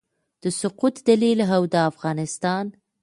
د سقوط دلایل او د افغانستان